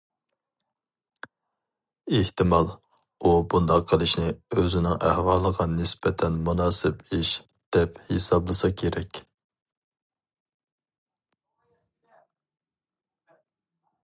ئېھتىمال، ئۇ بۇنداق قىلىشنى ئۆزىنىڭ ئەھۋالىغا نىسبەتەن مۇناسىپ ئىش، دەپ ھېسابلىسا كېرەك.